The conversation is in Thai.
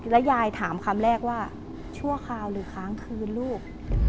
แล้วยายถามคำแรกว่าชั่วคราวหรือค้างคืนลูก